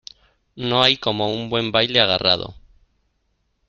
no hay como un buen baile agarrado